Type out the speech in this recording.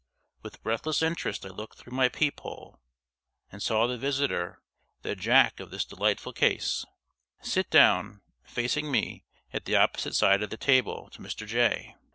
With breathless interest I looked through my peep hole, and saw the visitor the "Jack" of this delightful case sit down, facing me, at the opposite side of the table to Mr. Jay.